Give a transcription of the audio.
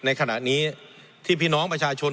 ในขณะนี้ที่พี่น้องประชาชน